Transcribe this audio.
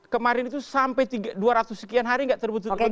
kemarin itu sampai dua ratus sekian hari nggak terbentuk